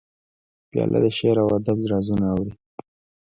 پیاله د شعرو او ادب رازونه اوري.